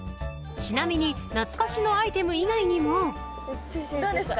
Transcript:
ちなみに懐かしのアイテム以外にもどうですか？